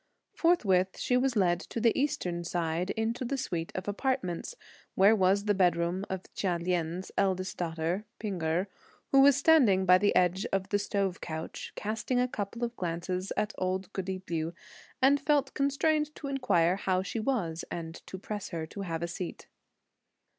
Forthwith she was led to the eastern side into the suite of apartments, where was the bedroom of Chia Lien's eldest daughter. P'ing Erh, who was standing by the edge of the stove couch, cast a couple of glances at old goody Liu, and felt constrained to inquire how she was, and to press her to have a seat.